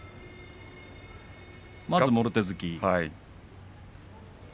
まずもろ手突き。